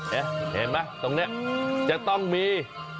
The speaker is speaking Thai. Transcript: เห็นมั้ยตรงเนี่ยก็ต้องมี